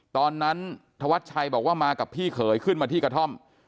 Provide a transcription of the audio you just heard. ธวัชชัยบอกว่ามากับพี่เขยขึ้นมาที่กระท่อม